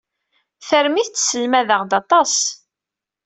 Tarmit tesselmad-aɣ-d aṭas.